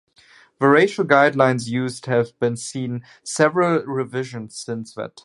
The racial guidelines used have seen several revisions since that time.